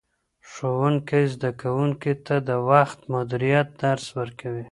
ښوونکی زدهکوونکي ته د وخت مدیریت درس ورکوي.